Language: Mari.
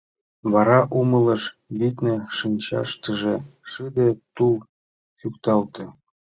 Вара умылыш, витне, шинчаштыже шыде тул чӱкталте.